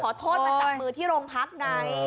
ต้องขอโทษมาจากมือที่โรงพักไง